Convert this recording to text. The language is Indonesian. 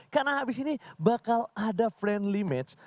karena habis ini bakal ada friendly match